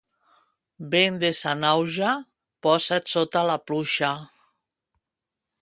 Vent de Sanahuja, posa't sota la pluja.